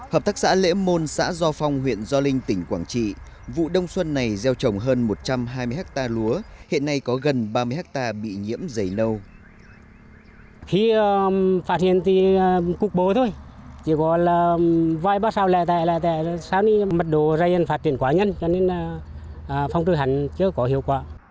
hợp tác xã lễ môn xã do phong huyện do linh tỉnh quảng trị vụ đông xuân này gieo trồng hơn một trăm hai mươi hectare lúa hiện nay có gần ba mươi hectare bị nhiễm dày nâu